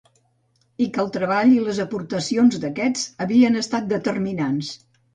I que el treball i les aportacions d'aquests havien estat determinants.